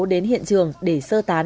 đến hiện trường để sơ tán